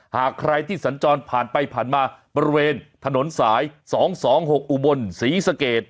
หากใครที่สัญจรผ่านไปผ่านมาบริเวณถนนสาย๒๒๖อุบลศรีสเกต